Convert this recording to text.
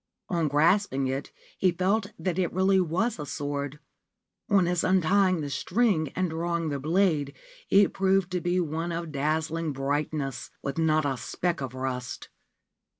On grasping it he felt that it really was a sword. On his untying the string and draw ing the blade, it proved to be one of dazzling brightness, with not a speck of rust.